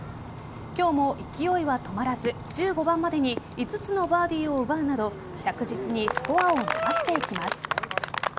今日も勢いは止まらず１５番までに５つのバーディーを奪うなど着実にスコアを伸ばしていきます。